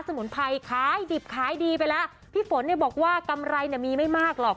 มุนไพรขายดิบขายดีไปแล้วพี่ฝนเนี่ยบอกว่ากำไรเนี่ยมีไม่มากหรอก